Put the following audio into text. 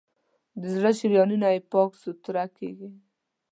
د زړه شریانونه یې پاک سوتړه کېږي.